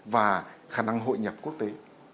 và khả năng hội nhập quốc tế